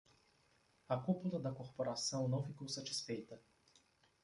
A cúpula da corporação não ficou satisfeita